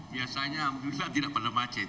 biasanya tidak pernah macet